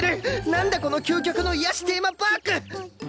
なんだこの究極の癒やしテーマパーク！